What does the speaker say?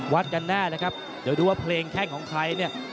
กันแน่นะครับเดี๋ยวดูว่าเพลงแข้งของใครเนี่ย